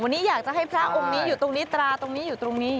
วันนี้อยากจะให้พระองค์นี้อยู่ตรงนี้ตราตรงนี้อยู่ตรงนี้